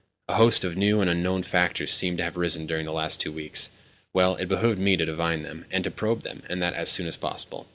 A host of new and unknown factors seemed to have arisen during the last two weeks. Well, it behoved me to divine them, and to probe them, and that as soon as possible.